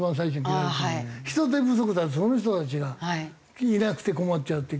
人手不足だとその人たちがいなくて困っちゃうっていうか。